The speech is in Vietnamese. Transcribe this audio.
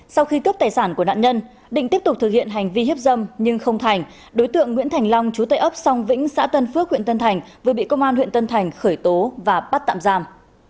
sau khi cướp tài sản của nạn nhân định tiếp tục thực hiện hành vi hiếp dâm nhưng không thành đối tượng nguyễn thành long chú tệ ấp song vĩnh xã tân phước huyện tân thành vừa bị công an huyện tân thành khởi tố và bắt tạm giam